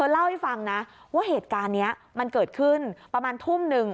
เล่าให้ฟังนะว่าเหตุการณ์นี้มันเกิดขึ้นประมาณทุ่มหนึ่ง